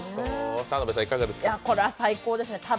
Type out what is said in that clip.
これは最高ですね。